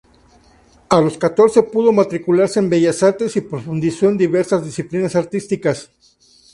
A los catorce pudo matricularse en Bellas Artes y profundizó en diversas disciplinas artísticas.